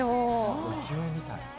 浮世絵みたい。